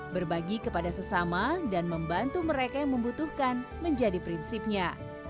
berbagi kepada sesama dan membantu mereka yang membutuhkan menjadi prinsipnya